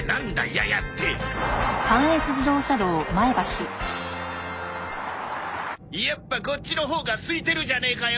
やっぱこっちのほうがすいてるじゃねえかよ。